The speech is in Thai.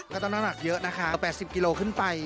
ก็ต้องน้ำหนักเยอะนะคะ๘๐กิโลขึ้นไป